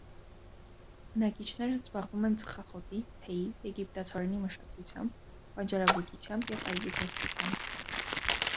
Բնակիչներն զբաղվում են ծխախոտի, թեյի, եգիպտացորենի մշակությամբ, բանջարաբուծությամբ և այգեգործությամբ։